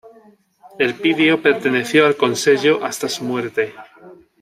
Elpidio perteneció al Consello hasta su muerte.